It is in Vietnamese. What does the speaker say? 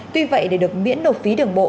tuy vậy để được miễn đột phí đường bộ